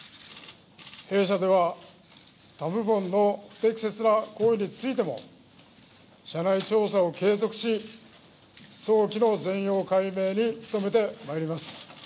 弊社では他部門の不適切な行為についても社内調査を継続し早期の全容解明に努めてまいります。